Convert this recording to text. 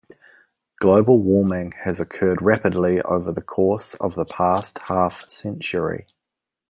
Global warming has occurred rapidly over the course of the past half-century.